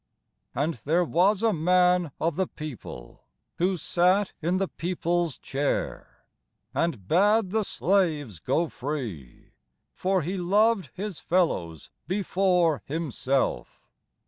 And there was a man of the people, Who sat in the people's chair, And bade the slaves go free; For he loved his fellows before himself.